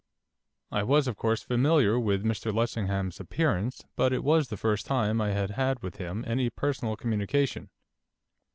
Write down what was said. I was, of course, familiar with Mr Lessingham's appearance, but it was the first time I had had with him any personal communication.